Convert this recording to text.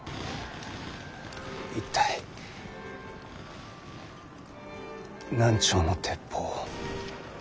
一体何丁の鉄砲を。